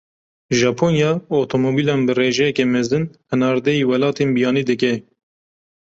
Japonya, otomobîlan bi rêjeyeke mezin hinardeyî welatên biyanî dike.